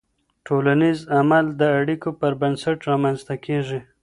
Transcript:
ټولنیز عمل د اړیکو پر بنسټ رامنځته کېږي.